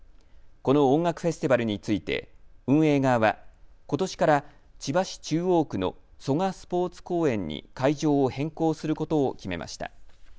この音楽フェスティバルについて運営側はことしから千葉市中央区の蘇我スポーツ公園に会場を変更することを決めました。